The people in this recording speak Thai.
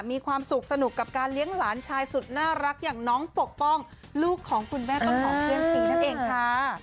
มีความสุขสนุกกับการเลี้ยงหลานชายสุดน่ารักอย่างน้องปกป้องลูกของคุณแม่ต้นหอมเพื่อนซีนั่นเองค่ะ